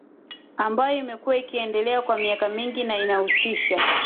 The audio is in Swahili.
ambayo imekuwa ikiendelea kwa miaka mingi na inahusisha